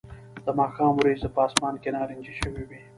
د ماښام وریځې په آسمان کې نارنجي شوې وې